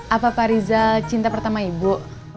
apa pak rizal cinta pertama ibu